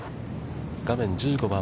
画面１５番。